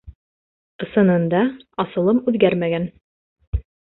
Ысынында асылым үҙгәрмәгән.